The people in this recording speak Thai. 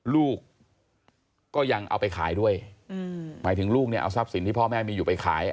ลูกก็ยังเอาไปขายด้วยหมายถึงลูกเนี่ยเอาทรัพย์สินที่พ่อแม่มีอยู่ไปขาย